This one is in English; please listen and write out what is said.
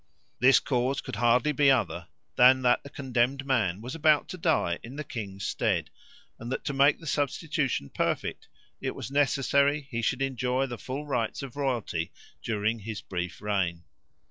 This cause could hardly be other than that the condemned man was about to die in the king's stead, and that to make the substitution perfect it was necessary he should enjoy the full rights of royalty during his brief reign.